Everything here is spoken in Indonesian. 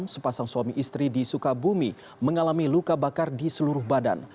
sepasang suami istri di sukabumi mengalami luka bakar di seluruh badan